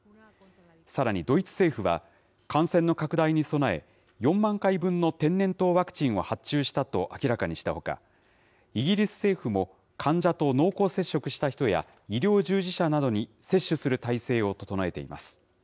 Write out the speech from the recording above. さらにドイツ政府は、感染の拡大に備え、４万回分の天然痘ワクチンを発注したと明らかにしたほか、イギリス政府も、患者と濃厚接触した人や、医療従事者などに接種する態勢を整えています。